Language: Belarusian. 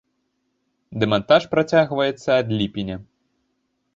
Дэмантаж працягваецца ад ліпеня.